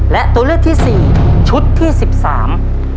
และตัวเลือกที่สี่ชุดที่สิบสาม